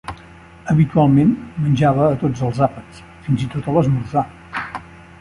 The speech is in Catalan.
Habitualment menjava a tots els àpats, fins i tot a l'esmorzar.